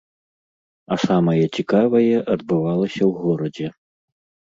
А самае цікавае адбывалася ў горадзе.